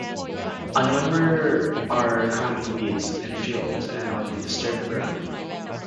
A number are common weeds in fields and on disturbed ground.